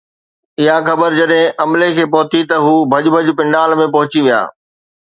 اها خبر جڏهن عملي کي پهتي ته هو ڀڄ ڀڄ پنڊال ۾ پهچي ويا